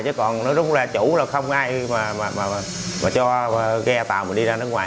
chứ còn nó đúng là chủ là không ai mà cho ghe tàu mình đi ra nước ngoài